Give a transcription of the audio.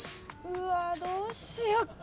うわどうしよう。